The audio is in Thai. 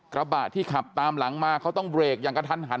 กระบะที่ขับตามหลังมาเขาต้องเบรกอย่างกระทันหัน